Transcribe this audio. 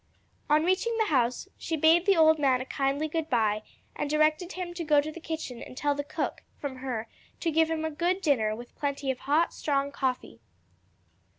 On reaching the house she bade the old man a kindly good bye, and directed him to go to the kitchen and tell the cook, from her, to give him a good dinner, with plenty of hot, strong coffee.